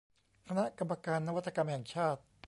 คณะกรรมการนวัตกรรมแห่งชาติ